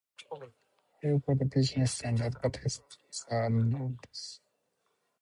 However, the business and advertising offices are on the Saint Paul side.